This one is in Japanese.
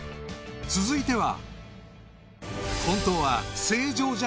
［続いては］